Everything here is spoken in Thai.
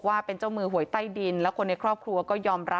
ความปลอดภัยของนายอภิรักษ์และครอบครัวด้วยซ้ำ